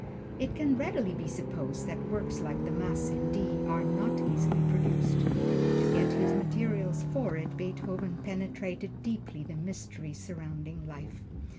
It can readily be supposed that works like the Mass in D are not easily produced. To get his materials for it Beethoven penetrated deeply the mystery surrounding life.